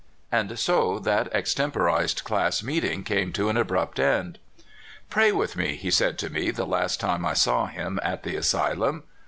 And so that extemporized class meeting came to an abrupt end. " Pray with me," he said to me the last time I saw him at the asylum.